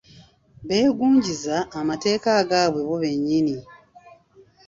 Beegunjiza amateeka agaabwe bo bennyini